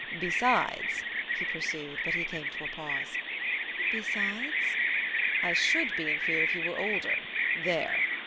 Besides " he pursued; but he came to a pause. "Besides ?" "I SHOULD be in fear if you were older there!